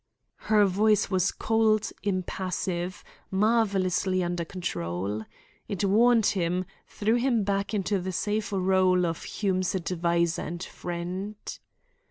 Her voice was cold, impassive, marvellously under control. It warned him, threw him back into the safe rôle of Hume's adviser and friend.